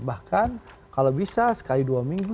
bahkan kalau bisa sekali dua minggu